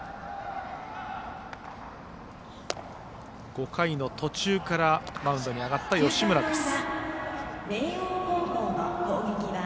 ５回の途中からマウンドに上がった吉村です。